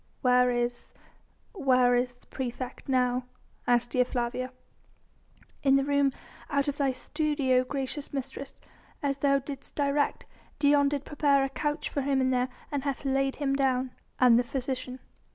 "Where is ... where is the praefect now?" asked Dea Flavia. "In the room out of thy studio, gracious mistress, as thou didst direct. Dion did prepare a couch for him there, and hath laid him down." "And the physician?"